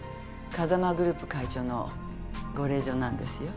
風間グループ会長のご令嬢なんですよ。